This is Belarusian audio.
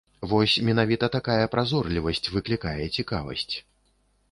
Вось менавіта такая празорлівасць выклікае цікавасць.